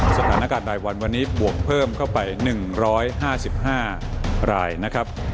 สถานการณ์รายวันวันนี้บวกเพิ่มเข้าไป๑๕๕รายนะครับ